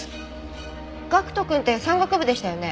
岳人くんって山岳部でしたよね？